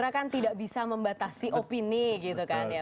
karena kan tidak bisa membatasi opini gitu kan ya